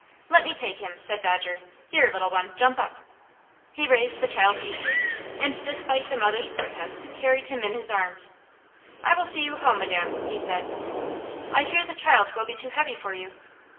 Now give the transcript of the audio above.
"Let me take him!" said Dodger. "Here, little one, jump up!" He raised the child easily, and despite the mother's protest, carried him in his arms. "I will see you home, madam," he said. "I fear the child will be too heavy for you."